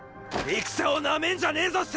戦をなめんじゃねェぞ政！